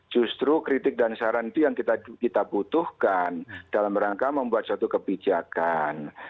justru kritik dan saran itu yang kita butuhkan dalam rangka membuat suatu kebijakan